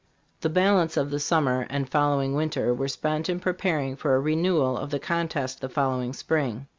"The balance of the summer and following winter were spent in pre paring for a renewal of the contest the following spring.